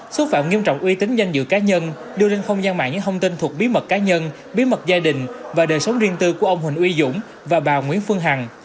xúc phạm nghiêm trọng uy tín danh dự cá nhân đưa lên không gian mạng những thông tin thuộc bí mật cá nhân bí mật gia đình và đời sống riêng tư của ông huỳnh uy dũng và bà nguyễn phương hằng